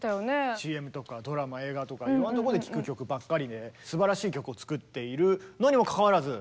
ＣＭとかドラマ映画とかいろんなとこで聴く曲ばっかりですばらしい曲を作っているのにもかかわらずご覧のとおり。